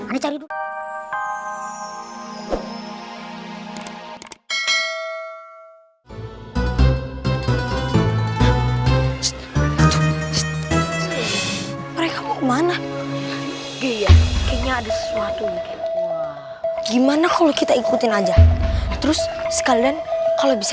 mereka mau kemana kayaknya ada sesuatu gimana kalau kita ikutin aja terus sekalian kalau bisa